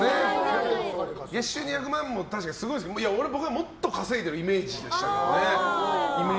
月収２００万も確かにすごいですけど僕はもっと稼いでるイメージでした。